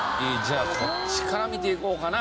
こっちから見ていこうかな。